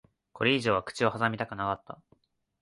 これ以上は口を挟みたくなかった。